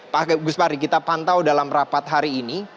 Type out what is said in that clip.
pak gus pari kita pantau dalam rapat hari ini